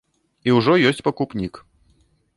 І ўжо ёсць пакупнік.